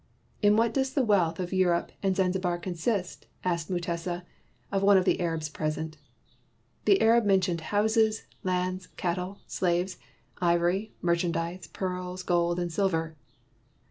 "In what does the wealth of Europe and Zanzibar consist?" asked Mutesa of one of the Arabs present. The Arab mentioned houses, lands, cattle, 146 MUTESA AND MOHAMMEDANS slaves, ivory, merchandise, pearls, gold, and silver.